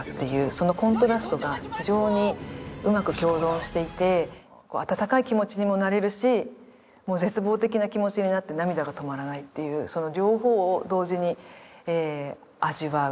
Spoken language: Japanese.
そのコントラストが非常にうまく共存していて温かい気持ちにもなれるしもう絶望的な気持ちになって涙が止まらないっていうその両方を同時に味わう